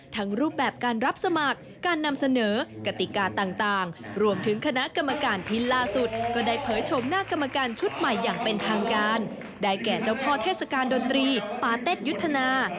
รูปแบบการรับสมัครการนำเสนอกติกาต่างรวมถึงคณะกรรมการที่ล่าสุดก็ได้เผยชมหน้ากรรมการชุดใหม่อย่างเป็นทางการได้แก่เจ้าพ่อเทศกาลดนตรีปาเต็ดยุทธนา